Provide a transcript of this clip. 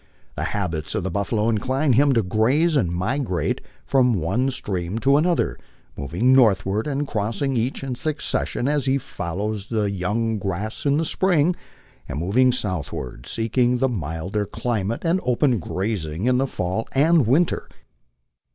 The habits of the buffalo incline him to graze and migrate from one stream to an other, moving northward and crossing each in succession as he follows the young grass in the spring, and moving southward seeking the milder climate and open grazing in the fall and winter.